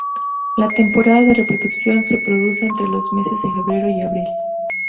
La temporada de reproducción se produce entre los meses de febrero y abril.